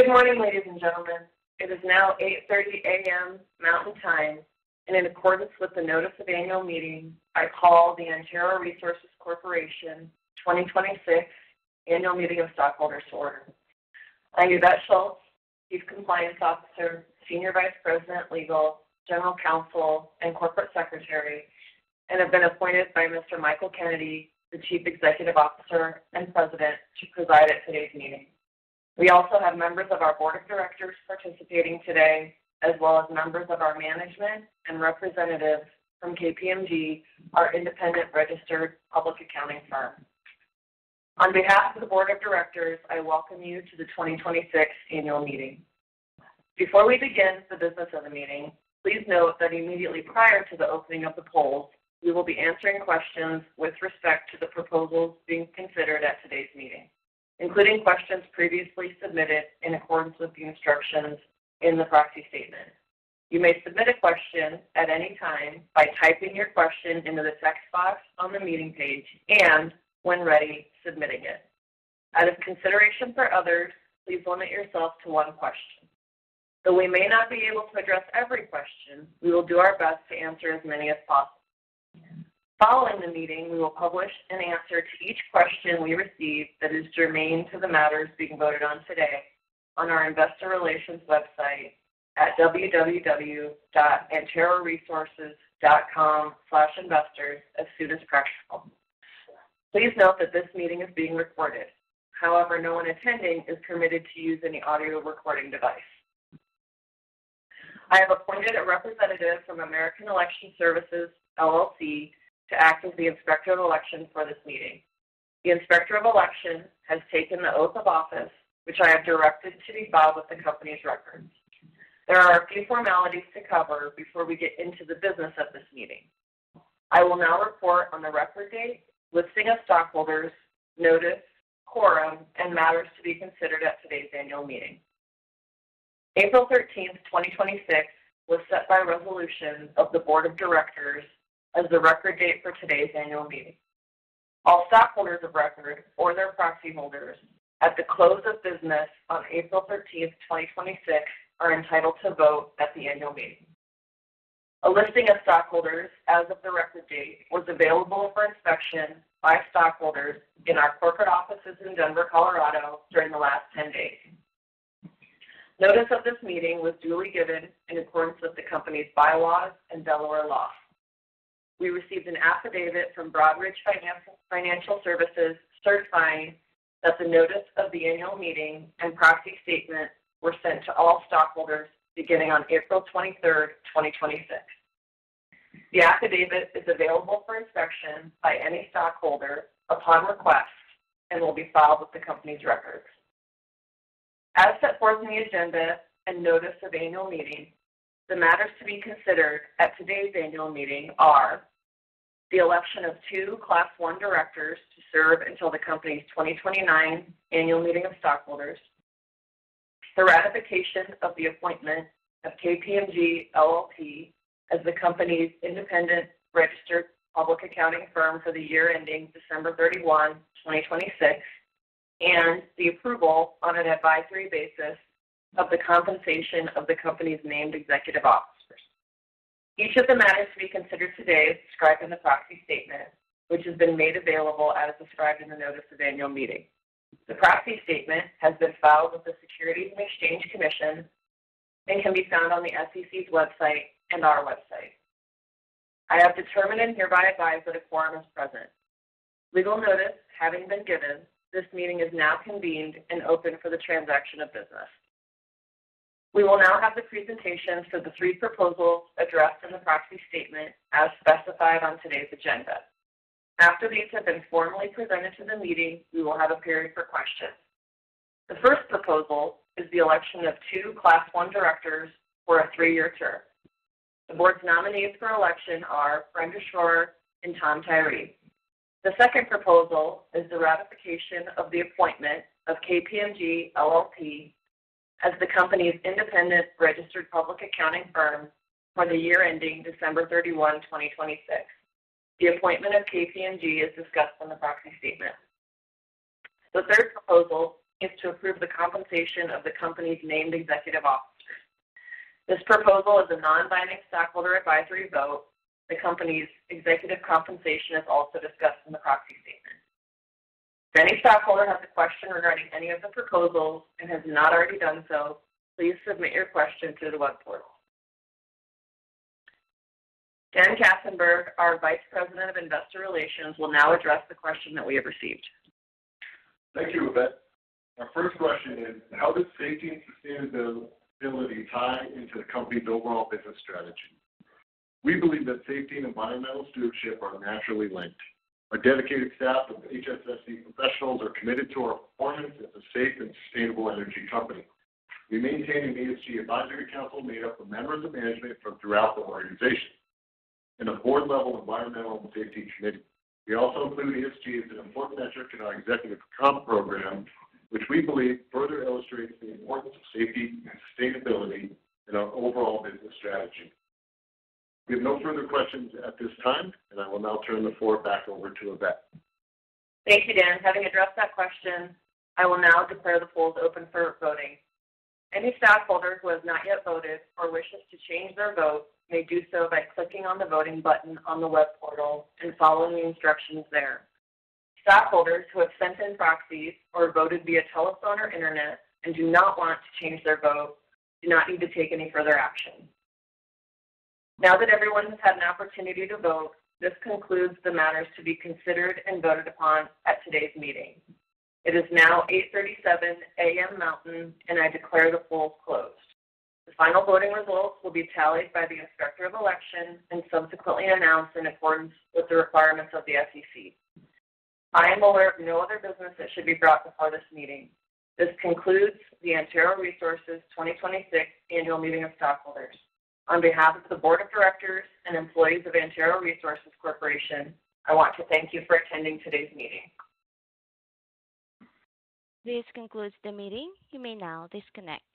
Good morning, ladies and gentlemen. It is now 8:30 A.M. Mountain Time, and in accordance with the Notice of Annual Meeting, I call the Antero Resources Corporation 2026 Annual Meeting of Stockholders to order. I'm Yvette Schultz, Chief Compliance Officer, Senior Vice President, Legal, General Counsel, and Corporate Secretary, and have been appointed by Mr. Michael Kennedy, the Chief Executive Officer and President, to preside at today's meeting. We also have members of our board of directors participating today, as well as members of our management and representatives from KPMG, our independent registered public accounting firm. On behalf of the board of directors, I welcome you to the 2026 Annual Meeting. Before we begin the business of the meeting, please note that immediately prior to the opening of the polls, we will be answering questions with respect to the proposals being considered at today's meeting, including questions previously submitted in accordance with the instructions in the proxy statement. You may submit a question at any time by typing your question into the text box on the meeting page and, when ready, submitting it. Out of consideration for others, please limit yourself to one question. Though we may not be able to address every question, we will do our best to answer as many as possible. Following the meeting, we will publish an answer to each question we receive that is germane to the matters being voted on today on our investor relations website at www.anteroresources.com/investors as soon as practical. Please note that this meeting is being recorded. However, no one attending is permitted to use any audio recording device. I have appointed a representative from American Election Services, LLC, to act as the Inspector of Election for this meeting. The Inspector of Election has taken the oath of office, which I have directed to be filed with the company's records. There are a few formalities to cover before we get into the business of this meeting. I will now report on the record date, listing of stockholders, notice, quorum, and matters to be considered at today's annual meeting. April 13th, 2026 was set by resolution of the board of directors as the record date for today's annual meeting. All stockholders of record or their proxy holders at the close of business on April 13th, 2026 are entitled to vote at the annual meeting. A listing of stockholders as of the record date was available for inspection by stockholders in our corporate offices in Denver, Colorado during the last 10 days. Notice of this Meeting was duly given in accordance with the company's bylaws and Delaware law. We received an affidavit from Broadridge Financial Solutions certifying that the notice of the annual meeting and proxy statement were sent to all stockholders beginning on April 23rd, 2026. The affidavit is available for inspection by any stockholder upon request and will be filed with the company's records. As set forth in the agenda and Notice of Annual Meeting, the matters to be considered at today's annual meeting are the election of two Class I directors to serve until the company's 2029 Annual Meeting of Stockholders, the ratification of the appointment of KPMG LLP as the company's independent registered public accounting firm for the year ending December 31, 2026, and the approval on an advisory basis of the compensation of the company's named executive officers. Each of the matters to be considered today is described in the proxy statement, which has been made available as described in the Notice of Annual Meeting. The proxy statement has been filed with the Securities and Exchange Commission and can be found on the SEC's website and our website. I have determined and hereby advise that a quorum is present. Legal notice having been given, this meeting is now convened and open for the transaction of business. We will now have the presentations for the three proposals addressed in the proxy statement as specified on today's agenda. After these have been formally presented to the meeting, we will have a period for questions. The first proposal is the election of two Class I directors for a three-year term. The board's nominees for election are Brenda Schroer and Tom Tyree. The second proposal is the ratification of the appointment of KPMG LLP as the company's independent registered public accounting firm for the year ending December 31, 2026. The appointment of KPMG is discussed in the proxy statement. The third proposal is to approve the compensation of the company's named executive officers. This proposal is a non-binding stockholder advisory vote. The company's executive compensation is also discussed in the proxy statement. If any stockholder has a question regarding any of the proposals and has not already done so, please submit your question through the web portal. Dan Katzenberg, our Vice President of Investor Relations, will now address the question that we have received. Thank you, Yvette. Our first question is, "How does safety and sustainability tie into the company's overall business strategy?" We believe that safety and environmental stewardship are naturally linked. Our dedicated staff of HSE professionals are committed to our performance as a safe and sustainable energy company. We maintain an ESG advisory council made up of members of management from throughout the organization and a board-level environmental and safety committee. We also include ESG as an important metric in our executive comp program, which we believe further illustrates the importance of safety and sustainability in our overall business strategy. We have no further questions at this time. I will now turn the floor back over to Yvette. Thank you, Dan. Having addressed that question, I will now declare the polls open for voting. Any stockholder who has not yet voted or wishes to change their vote may do so by clicking on the voting button on the web portal and following the instructions there. Stockholders who have sent in proxies or voted via telephone or internet and do not want to change their vote do not need to take any further action. Now that everyone has had an opportunity to vote, this concludes the matters to be considered and voted upon at today's meeting. It is now 8:37 A.M. Mountain, and I declare the polls closed. The final voting results will be tallied by the Inspector of Election and subsequently announced in accordance with the requirements of the SEC. I am aware of no other business that should be brought before this meeting. This concludes the Antero Resources 2026 Annual Meeting of Stockholders. On behalf of the board of directors and employees of Antero Resources Corporation, I want to thank you for attending today's meeting. This concludes the meeting. You may now disconnect.